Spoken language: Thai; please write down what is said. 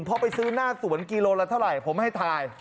เพราะไปซื้อหน้าสวนกิโลละเท่าไหร่ผมให้ถ่าย